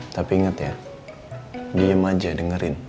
tapi inget ya diem aja dengerin